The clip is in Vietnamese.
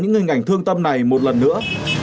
những hình ảnh thương tâm này một lần nữa